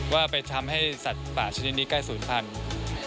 ว่าไปทำให้สัตว์ป่าชนิดนี้ใกล้ศูนย์พันธุ์